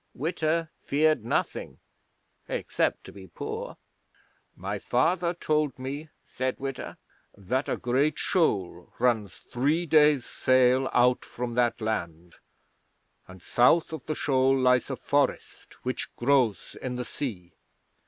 Witta feared nothing except to be poor. '"My father told me," said Witta, "that a great Shoal runs three days' sail out from that land, and south of the shoal lies a Forest which grows in the sea.